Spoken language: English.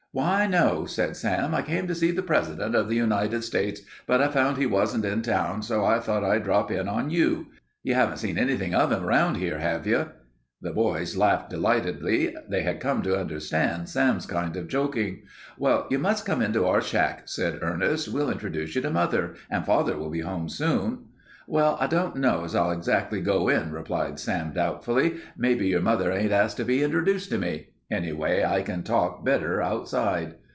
"Why, no," said Sam. "I came to see the President of the United States, but I found he wasn't in town, so I thought I'd drop in on you. You haven't seen anything of him around here, have you?" The boys laughed delightedly; they had come to understand Sam's kind of joking. "Well, you must come into our shack," said Ernest. "We'll introduce you to mother, and father will be home soon." "Well, I don't know as I'll exactly go in," replied Sam, doubtfully. "Maybe your mother ain't asked to be interduced to me. Anyway, I can talk better outside."